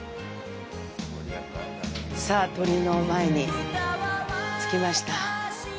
さあ、鳥居の前に着きました。